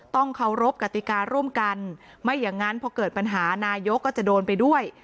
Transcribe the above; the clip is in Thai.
ต้องเคารพกติการ่วมกันไม่อย่างนั้นพอเกิดปัญหานายกก็จะโดนไปด้วย